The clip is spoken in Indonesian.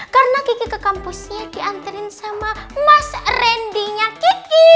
karena kiki ke kampusnya dianterin sama mas randy nya kiki